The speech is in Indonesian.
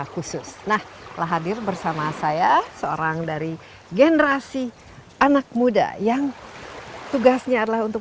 khusus nah telah hadir bersama saya seorang dari generasi anak muda yang tugasnya adalah untuk